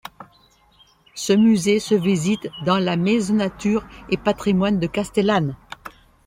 Ce musée se visite dans la Maison Nature et Patrimoine de Castellane.